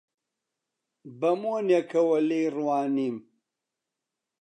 بە مۆنێکەوە لێی ڕوانیم: